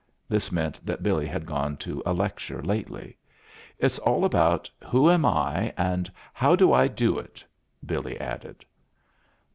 (This meant that Billy had gone to a lecture lately.) "It's all about Who am I? and How do I do it?" Billy added.